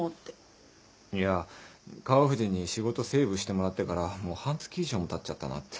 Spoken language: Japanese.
いや川藤に仕事セーブしてもらってからもう半月以上もたっちゃったなって。